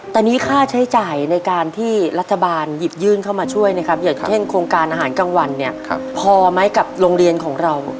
ตอนนี้ค่าใช้จ่ายในการที่รัฐบาลหยิบยื่นเข้ามาช่วยนะครับอย่างเช่นโครงการอาหารกลางวันเนี่ยพอไหมกับโรงเรียนของเรา